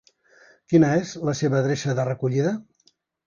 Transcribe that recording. Quina és la seva adreça de recollida?